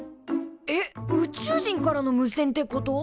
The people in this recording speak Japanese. えっ宇宙人からの無線ってこと？